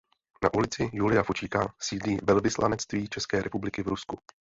Na ulici Julia Fučíka sídlí Velvyslanectví České republiky v Rusku.